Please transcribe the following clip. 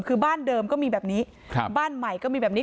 คือบ้านเดิมก็มีแบบนี้ครับบ้านใหม่ก็มีแบบนี้